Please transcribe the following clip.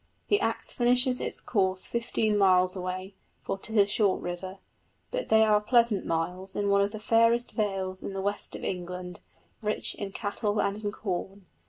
The Axe finishes its course fifteen miles away, for 'tis a short river, but they are pleasant miles in one of the fairest vales in the west of England, rich in cattle and in corn.